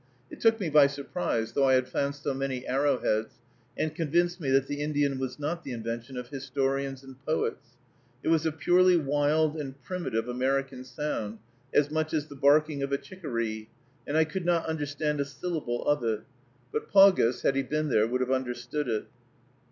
It took me by surprise, though I had found so many arrowheads, and convinced me that the Indian was not the invention of historians and poets. It was a purely wild and primitive American sound, as much as the barking of a chickaree, and I could not understand a syllable of it; but Paugus, had he been there, would have understood it.